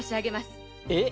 えっ！？